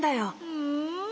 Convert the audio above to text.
ふん。